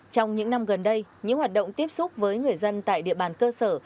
trong những năm gần đây những hoạt động tiếp xúc với người dân tại địa bàn cơ sở